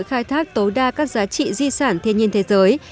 cơ hội khai thác tối đa các giá trị di sản thiên nhiên thế giới